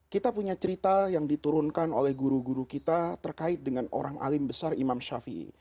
kita punya cerita yang diturunkan oleh guru guru kita terkait dengan orang alim besar imam ⁇ shafii ⁇